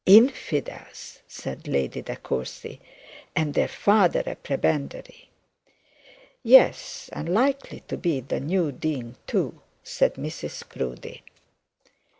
'Infidels!' said Lady De Courcy, 'and their father a prebendary!' 'Yes, and likely to be the new dean too,' said Mrs Proudie.